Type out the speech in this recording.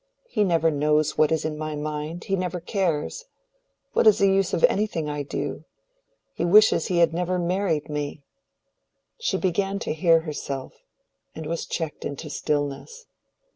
He never knows what is in my mind—he never cares. What is the use of anything I do? He wishes he had never married me." She began to hear herself, and was checked into stillness.